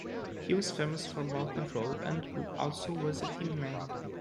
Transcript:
He was famous for ball control and also was a team man.